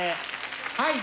はい。